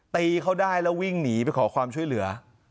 ตีเขาได้แล้ววิ่งหนีไปขอความช่วยเหลือ